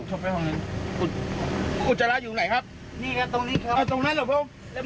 ครับ